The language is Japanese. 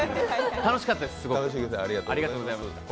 楽しかったです、すごく。